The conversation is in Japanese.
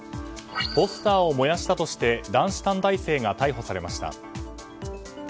ポスターを燃やしたとして男子短大生が逮捕されました。